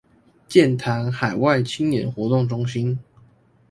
劍潭海外青年活動中心